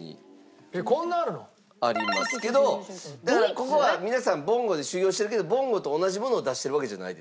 ここは皆さんぼんごで修業してるけどぼんごと同じものを出してるわけじゃないです。